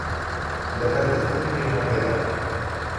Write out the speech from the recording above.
لەبەردەستی پێشمەرگەدان